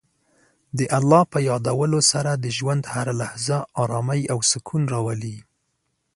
د الله په یادولو سره د ژوند هره لحظه ارامۍ او سکون راولي.